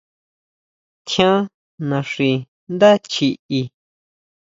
¿Tjián naxi ndá chiʼí?